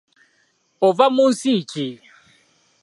Ova mu nsi ki?